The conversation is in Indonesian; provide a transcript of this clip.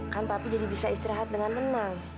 kan papi jadi bisa istirahat dengan tenang